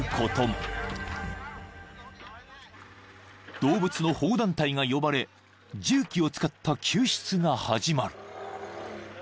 ［動物の保護団体が呼ばれ重機を使った救出が始まる］